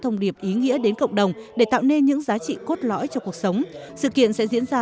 thông điệp ý nghĩa đến cộng đồng để tạo nên những giá trị cốt lõi cho cuộc sống sự kiện sẽ diễn ra